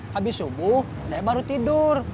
habis subuh saya baru tidur